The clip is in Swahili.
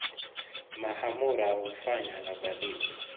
Mahamura hufanywa na vadigo